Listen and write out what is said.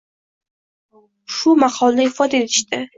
Shu maqolida ifoda etishdi.